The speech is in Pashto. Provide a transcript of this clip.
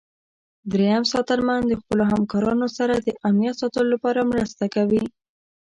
دریم ساتنمن د خپلو همکارانو سره د امنیت ساتلو لپاره مرسته کوي.